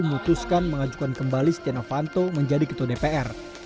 memutuskan mengajukan kembali stiano fanto menjadi ketua dpr